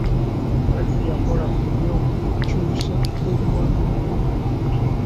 Badru yakola ku by'okukyusa ebiwandiiko.